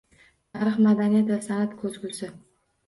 Tarix, madaniyat va san’at ko‘zgusi